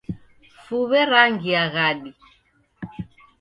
Fuw'e rangia ghadi